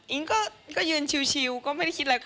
ก็ยืนชิวก็ไม่ได้คิดอะไร